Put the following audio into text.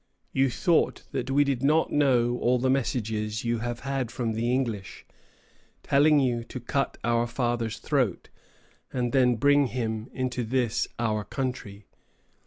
You thought that we did not know all the messages you have had from the English, telling you to cut our father's throat, and then bring them into this our country.